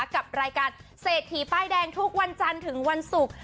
กับรายการเศรษฐีป้ายแดงทุกวันจันทร์ถึงวันศุกร์